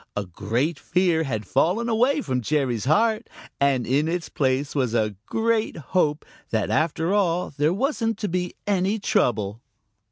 A great fear had fallen away from Jerry's heart, and in its place was a great hope that after all there wasn't to be any trouble.